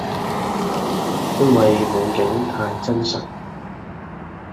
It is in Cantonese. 因為夢境太真實